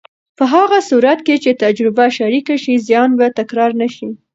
په هغه صورت کې چې تجربه شریکه شي، زیان به تکرار نه شي.